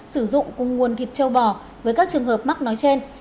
sử dụng cùng nguồn thịt châu bò với các trường hợp mắc nói trên